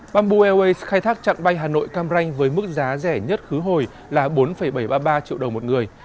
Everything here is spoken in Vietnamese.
bamboo airways khai thác chặng bay hà nội cam ranh với mức giá rẻ nhất khứ hồi là bốn bảy trăm ba mươi ba triệu đồng một người